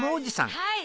はい。